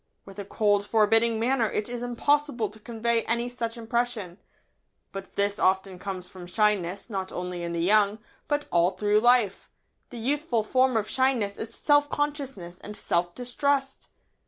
With a cold, forbidding manner it is impossible to convey any such impression. [Sidenote: Shyness.] But this often comes from shyness, not only in the young, but all through life. The youthful form of shyness is self consciousness and self distrust.